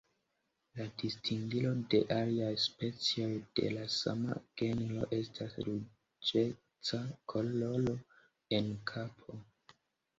La distingilo de aliaj specioj de la sama genro estas ruĝeca koloro en kapo.